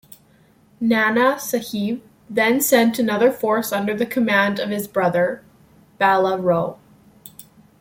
Nana Sahib then sent another force under the command of his brother, Bala Rao.